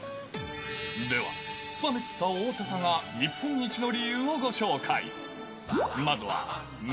では、スパメッツァおおたかが日本一の理由をご紹介。